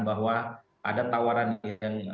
bahwa ada tawaran yang